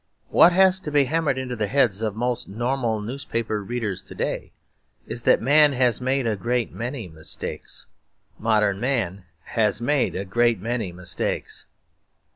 What has to be hammered into the heads of most normal newspaper readers to day is that Man has made a great many mistakes. Modern Man has made a great many mistakes.